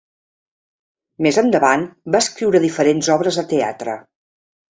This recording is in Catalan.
Més endavant va escriure diferents obres de teatre.